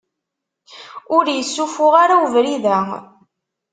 Ur issufuɣ ara ubrid-a.